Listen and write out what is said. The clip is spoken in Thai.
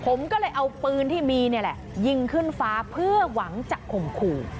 ผมก็เลยเอาปืนที่มีนี่แหละยิงขึ้นฟ้าเพื่อหวังจะข่มขู่